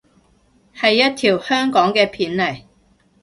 係一條香港嘅片嚟